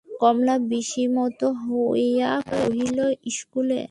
কমলা বিসিমত হইয়া কহিল, ইস্কুলে?